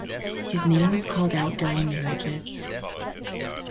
His name was called out during marriages.